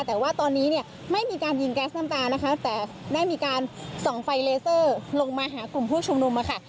แต่ว่าตอนนี้เนี่ยไม่มีการยิงแก๊สน้ำตานะคะแต่ได้มีการส่องไฟเลเซอร์ลงมาหากลุ่มผู้ชุมนุมค่ะ